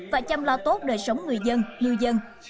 và chăm lo tốt đời sống người dân lưu dân